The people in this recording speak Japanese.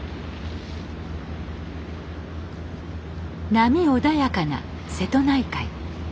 波穏やかな瀬戸内海。